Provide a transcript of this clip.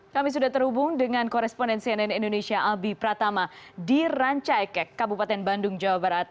kami sudah terhubung dengan koresponen cnn indonesia albi pratama di rancaikek kabupaten bandung jawa barat